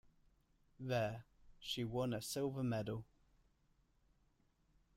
There, she won a silver medal.